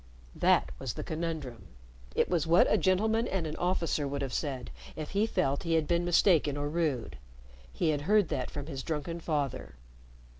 That was the conundrum. It was what a gentleman and an officer would have said, if he felt he had been mistaken or rude. He had heard that from his drunken father.